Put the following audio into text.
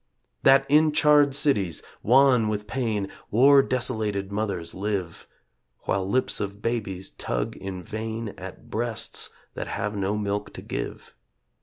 That in charred cities, wan with pain, War desolated mothers live, While lips of babies tug in vain At breasts that have no milk to give?